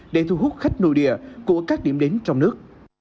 để thu hút khách nội địa của các điểm đến trong nước